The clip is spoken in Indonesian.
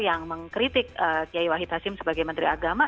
yang mengkritik kiai wahid hasim sebagai menteri agama